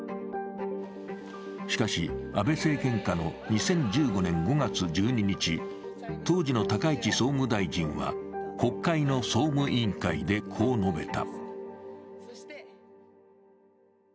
しかし、安倍政権下の２０１５年５月１２日、当時の高市総務大臣は国会の総務委員会でこう述べた。